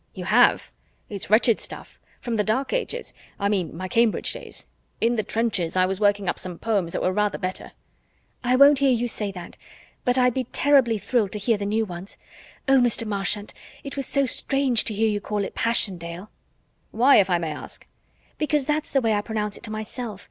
"You have? It's wretched stuff. From the Dark Ages I mean my Cambridge days. In the trenches, I was working up some poems that were rather better." "I won't hear you say that. But I'd be terribly thrilled to hear the new ones. Oh, Mr. Marchant, it was so strange to hear you call it Passiondale." "Why, if I may ask?" "Because that's the way I pronounce it to myself.